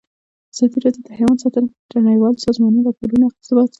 ازادي راډیو د حیوان ساتنه په اړه د نړیوالو سازمانونو راپورونه اقتباس کړي.